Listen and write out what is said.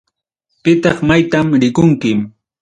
Pitaq maytam rikunki.